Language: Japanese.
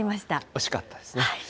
惜しかったですね。